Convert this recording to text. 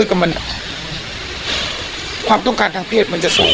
ก็มันความต้องการทางเพศมันจะสูง